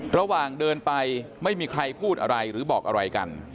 ระหว่างเดินไปไม่มีใครพูดอะไรหรือบอกอะไรกัน